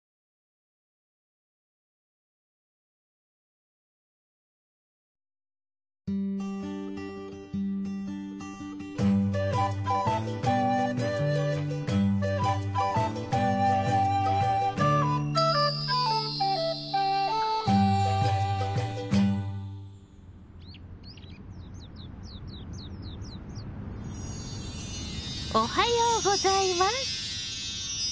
おはようございます。